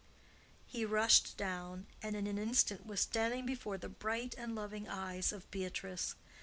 He rushed down, and in an instant was standing before the bright and loving eyes of Beatrice.